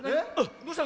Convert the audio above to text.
どうした？